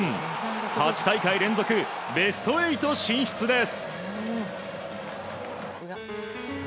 ８大会連続ベスト８進出です。